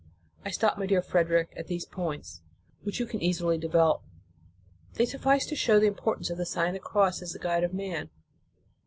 I stop, my dear Frederic, at these points, which you can easily develop. They suffice to show the importance of the Sign of the Cross as the guide of man.